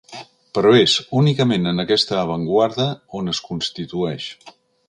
Però és únicament en aquesta avantguarda on es constitueix.